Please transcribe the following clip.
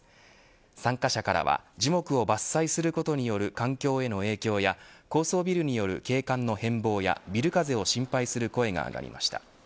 参加者からは樹木を伐採することによる環境への影響や高層ビルによる景観の変貌やビル風を心配する声が上がりました。